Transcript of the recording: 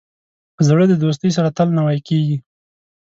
زړه د دوستۍ سره تل نوی کېږي.